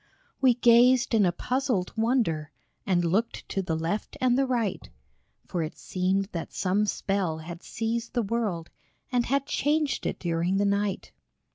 We gazed in a puzzled wonder, And looked to the left and the right, For it seemed that some spell had seized the world And had changed it during the night.